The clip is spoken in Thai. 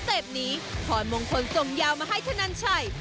เต็ปนี้พรมงคลส่งยาวมาให้ธนันชัย